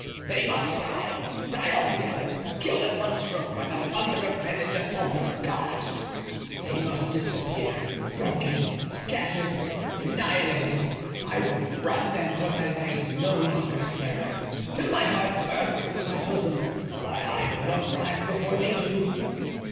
They must die—die all together—killed at one stroke by the thunder of men in default of God's. They must disappear, broken, scattered, annihilated. I will run, then, till my legs no longer serve, till my heart bursts in my bosom but I will arrive before they do."